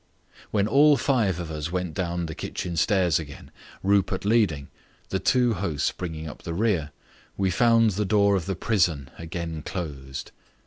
When all five of us went down the kitchen stairs again, Rupert leading, the two hosts bringing up the rear, we found the door of the prison again closed.